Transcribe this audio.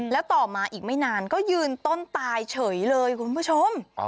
แล้วต่อมาอีกไม่นานก็ยืนต้นตายเฉยเลยคุณผู้ชม